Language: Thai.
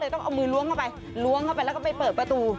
ต้องเอามือล้วงเข้าไปล้วงเข้าไปแล้วก็ไปเปิดประตู